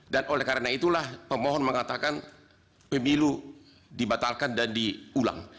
dan oleh karena itulah pemohon mengatakan pemilu dibatalkan dan diulang